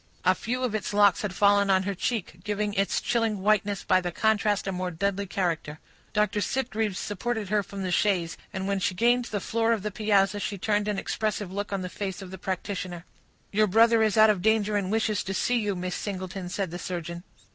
A few of its locks had fallen on her cheek, giving its chilling whiteness by the contrast a more deadly character. Dr. Sitgreaves supported her from the chaise; and when she gained the floor of the piazza, she turned an expressive look on the face of the practitioner. "Your brother is out of danger and wishes to see you, Miss Singleton," said the surgeon.